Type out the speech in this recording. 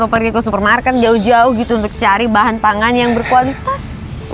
pergi ke supermarket jauh jauh gitu untuk cari bahan pangan yang berkualitas